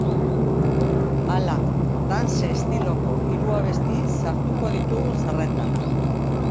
Hala, dance estiloko hiru abesti sartuko ditugu zerrendan.